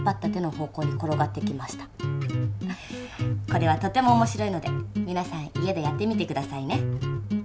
これはとてもおもしろいのでみなさん家でやってみて下さいね。